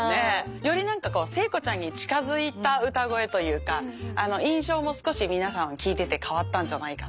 より聖子ちゃんに近づいた歌声というか印象も少し皆さん聴いてて変わったんじゃないかなって思いましたね。